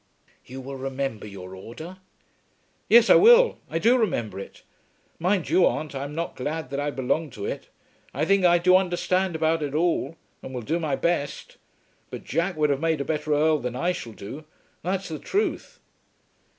"You will remember your order?" "Yes, I will. I do remember it. Mind you, aunt, I am not glad that I belong to it. I think I do understand about it all, and will do my best. But Jack would have made a better Earl than I shall do. That's the truth."